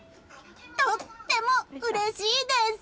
とってもうれしいです！